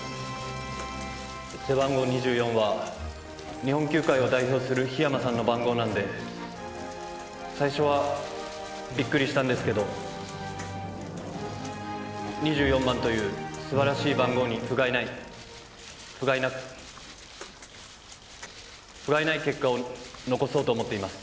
背番号２４は日本球界を代表する桧山さんの番号なんで最初はびっくりしたんですけど２４番というすばらしい番号にふがいないふがいなふがいない結果を残そうと思っています